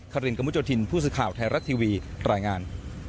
คลินกะมุจดินผู้สึกข่าวไทยรักทีวีรายงาน